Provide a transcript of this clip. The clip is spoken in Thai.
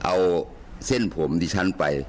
เอาเส้นผมดิฉันไป